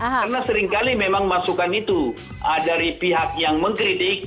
karena seringkali memang masukan itu dari pihak yang mengkritik